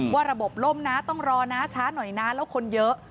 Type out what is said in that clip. ว่าระบบล่มนะต้องรอนะช้าหน่อยนะแล้วคนเยอะ